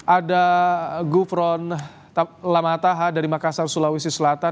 ada gufron lamataha dari makassar sulawesi selatan